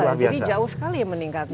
jadi jauh sekali ya meningkatnya